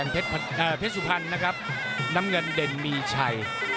เพชรสุพรรณนะครับน้ำเงินเด่นมีชัย